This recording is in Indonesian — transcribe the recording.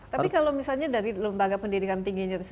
tapi kalau misalnya dari lembaga pendidikan tingginya